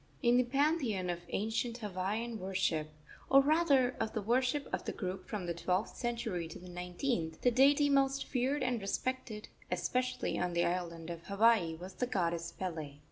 In the pantheon of ancient Hawaiian worship or, rather, of the worship of the group from the twelfth century to the nineteenth the deity most feared and respected, especially on the island of Hawaii, was the goddess Pele.